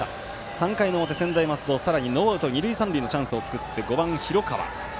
３回の表、専大松戸さらにノーアウト二塁三塁のチャンスを作って５番、広川。